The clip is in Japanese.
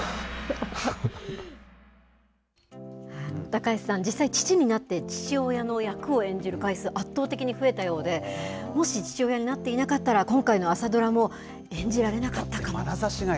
高橋さん、実際、父になって父親の役を演じる回数、圧倒的に増えたようで、もし、父親になっていなかったら、今回の朝ドラも演じられなかったかもと。